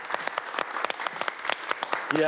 いや。